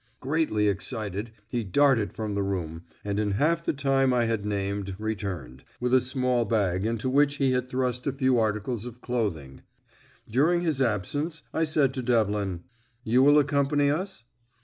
Greatly excited, he darted from the room, and in half the time I had named returned, with a small bag, into which he had thrust a few articles of clothing. During his absence I said to Devlin, "You will accompany us?"